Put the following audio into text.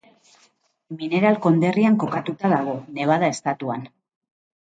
Mineral konderrian kokatuta dago, Nevada estatuan.